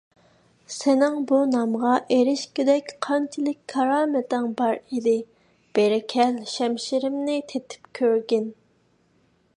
سېنىڭ بۇ نامغا ئېرىشكۈدەك قانچىلىك كارامىتىڭ بـار ئىـدى؟ بېـرى كـەل، شەمـشىـرىمـنى تېتىپ كۆرگىن!